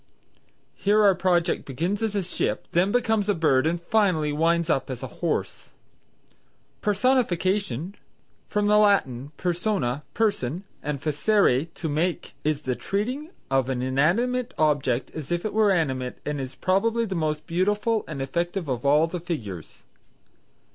Here our project begins as a ship, then becomes a bird and finally winds up as a horse. Personification (from the Latin persona, person, and facere, to make) is the treating of an inanimate object as if it were animate and is probably the most beautiful and effective of all the figures.